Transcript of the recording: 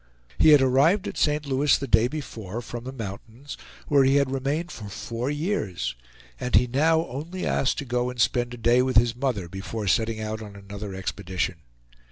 He had arrived at St. Louis the day before, from the mountains, where he had remained for four years; and he now only asked to go and spend a day with his mother before setting out on another expedition.